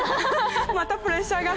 またプレッシャーが。